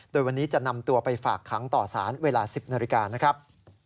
โดยวันนี้จะนำตัวไปฝากขังต่อสารเวลา๑๐นาฬิกานะครับ